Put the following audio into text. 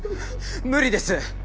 無理です。